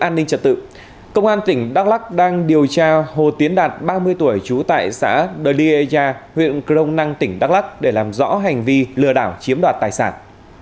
an ninh trật tự công an tỉnh đắk lắc đang điều tra hồ tiến đạt ba mươi tuổi trú tại xã đờ ly gia huyện crong năng tỉnh đắk lắc để làm rõ hành vi lừa đảo chiếm đoạt tài sản